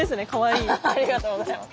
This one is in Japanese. ありがとうございます。